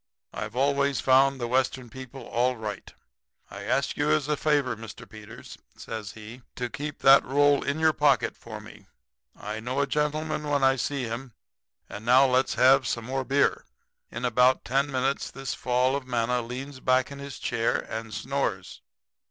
I've always found the Western people all right. I ask you as a favor, Mr. Peters,' says he, 'to keep that roll in your pocket for me. I know a gentleman when I see him. And now let's have some more beer.' "In about ten minutes this fall of manna leans back in his chair and snores.